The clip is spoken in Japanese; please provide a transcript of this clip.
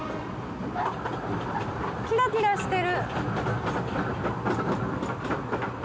キラキラしてる。